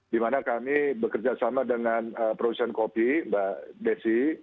di mana kami bekerjasama dengan produsen kopi mbak desi